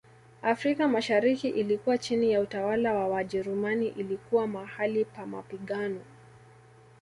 Afrika mashariki ilikuwa chini ya utawala wa Wajerumani ilikuwa mahali pa mapigano